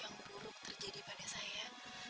yang buruk terjadi pada saya